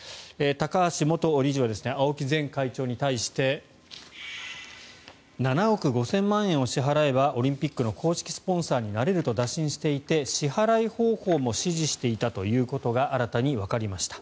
高橋元理事は青木前会長に対して７億５０００万円を支払えばオリンピックの公式スポンサーになれると打診していて支払方法も指示していたということが新たにわかりました。